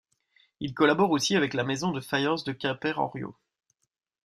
Il collabore aussi avec la maison de faïence de Quimper Henriot.